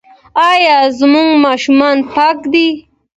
ایا ماشومان مو پاک دي؟